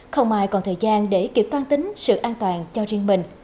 không ai còn thời gian để kịp toan tính sự an toàn cho riêng mình